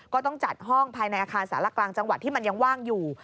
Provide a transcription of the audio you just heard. ก็ต้องจัดห้องภายในอาคารสารกลางจังหวัดที่มันยังว่างอยู่